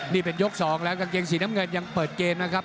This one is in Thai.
นี่เป็นยกสองแล้วกางเกงสีน้ำเงินยังเปิดเกมนะครับ